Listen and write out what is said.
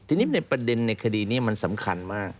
ทีนี้ในประเด็นในคดีนี้มันสำคัญมาก